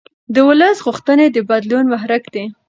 د ولس غوښتنې د بدلون محرک دي